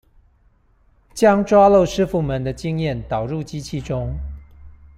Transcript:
將抓漏師傅們的經驗導入機器中